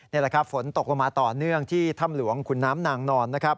นี่แหละครับฝนตกลงมาต่อเนื่องที่ถ้ำหลวงขุนน้ำนางนอนนะครับ